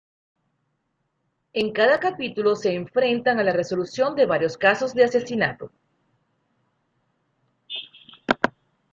En cada capítulo se enfrentan a la resolución de varios casos de asesinato.